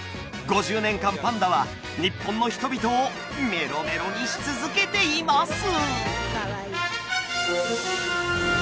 ５０年間パンダは日本の人々をメロメロにし続けています！